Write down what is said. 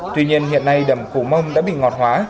tuy nhiên hiện nay đầm củ mông đã bị ngọt hóa